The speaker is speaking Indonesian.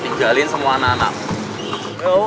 tinggalin semua anak anakmu